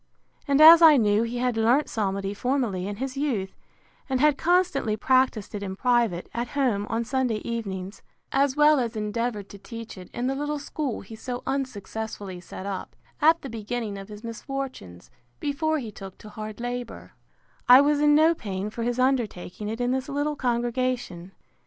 And as I knew he had learnt psalmody formerly, in his youth, and had constantly practised it in private, at home, on Sunday evenings, (as well as endeavoured to teach it in the little school he so unsuccessfully set up, at the beginning of his misfortunes, before he took to hard labour,) I was in no pain for his undertaking it in this little congregation.